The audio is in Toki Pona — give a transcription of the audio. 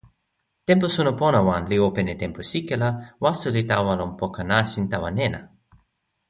tenpo suno pona wan li open e tenpo sike la, waso li tawa lon poka nasin tawa nena.